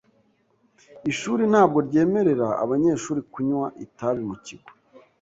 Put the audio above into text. Ishuri ntabwo ryemerera abanyeshuri kunywa itabi mu kigo.